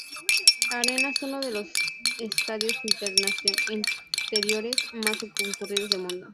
Arena es uno de los estadios interiores más concurridos del mundo.